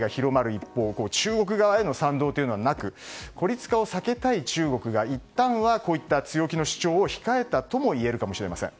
一方中国側への賛同というのはなく孤立化を避けたい中国がいったんは強気の主張を控えたともいえるかもしれません。